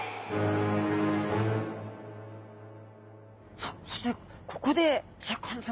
さあそしてここでシャーク香音さま皆さま。